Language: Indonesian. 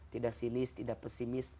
tidak sinis tidak pesimis